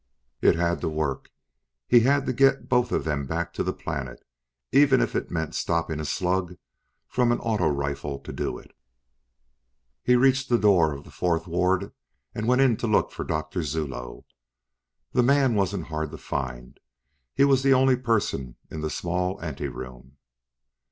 It had to work. He had to get both of them back to the planet, even if it meant stopping a slug from an auto rifle to do it. He reached the door to the fourth ward and went in to look for Doctor Zuloe. The man wasn't hard to find; he was the only person in the small anteroom.